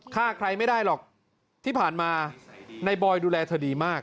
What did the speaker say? ฆ่าใครไม่ได้หรอกที่ผ่านมานายบอยดูแลเธอดีมาก